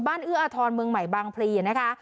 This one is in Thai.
บ้านเอื้ออธรมมบางกพนะคะ